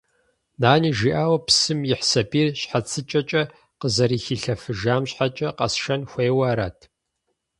Нани жиӏауэ, псым ихь сабийр щхьэцыкӏэкӏэ къызэрыхилъэфыжам щхьэкӏэ къэсшэн хуеяуэ арат?